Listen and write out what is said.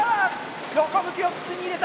横向きの筒に入れた。